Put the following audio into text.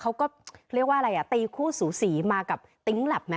เขาก็เรียกว่าอะไรอ่ะตีคู่สูสีมากับติ๊งแบ็ปนะ